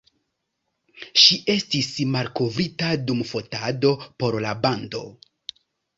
Ŝi estis malkovrita dum fotado por la bando.